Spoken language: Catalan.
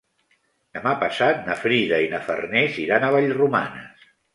Demà passat na Frida i na Farners iran a Vallromanes.